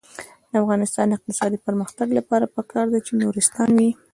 د افغانستان د اقتصادي پرمختګ لپاره پکار ده چې نورستاني وي.